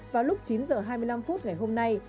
vào lúc chín h hai mươi năm phút ngày hôm nay